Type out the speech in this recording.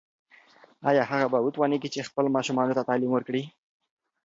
ایا هغه به وتوانیږي چې خپلو ماشومانو ته تعلیم ورکړي؟